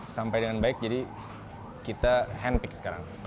sampai dengan baik jadi kita handpick sekarang